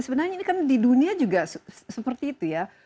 sebenarnya ini kan di dunia juga seperti itu ya